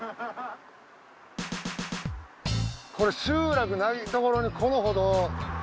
これ集落ないところにこの歩道。